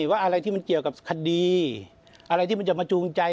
ว่าอะไรที่มันเกี่ยวกับคดีอะไรที่มันจะมาจูงใจ